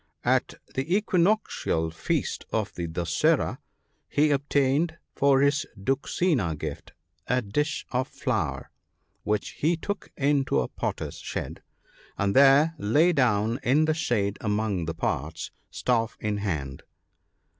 At the equinoctial feast of the Dussera, he obtained for his duxina gift a dish of flour, which he took into a potter's shed ; and there lay down in the shade among the pots, staff in hand.